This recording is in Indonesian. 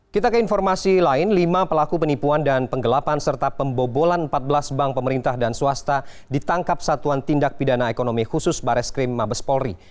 kita ke informasi lain lima pelaku penipuan dan penggelapan serta pembobolan empat belas bank pemerintah dan swasta ditangkap satuan tindak pidana ekonomi khusus baris krim mabes polri